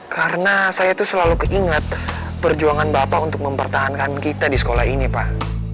karena saya tuh selalu keingat perjuangan bapak untuk mempertahankan kita di sekolah ini pak